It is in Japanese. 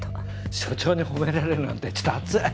署長に褒められるなんてちょっとあっつい。